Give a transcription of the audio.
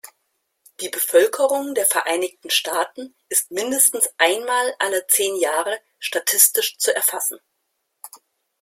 Die Bevölkerung der Vereinigten Staaten ist mindestens einmal alle zehn Jahre statistisch zu erfassen.